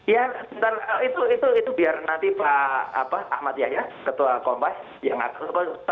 ya itu itu itu biar nanti pak ahmad yahya ketua kompas yang aku